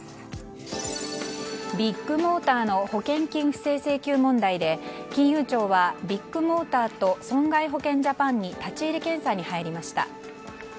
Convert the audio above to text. ビッグモーターの保険金不正請求問題で金融庁はビッグモーターと損害保険ジャパンに立ち入り検査に入りました。